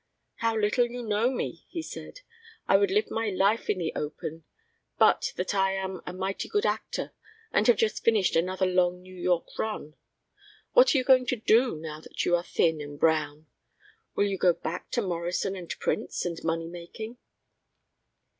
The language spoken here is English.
"How little you know me," he said. "I would live my life in the open but that I am a mighty good actor and have just finished another long New York run. What are you going to do now that you are thin and brown? Will you go back to Morrison and Prince and money making?"